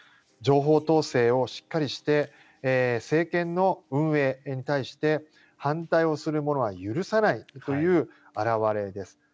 情報統制をしっかりして政権の運営に対して反対をする者は許さないという表れです。